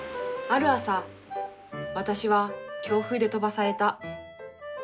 ある朝私は強風で飛ばされた。